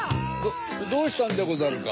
どうしたんでござるか？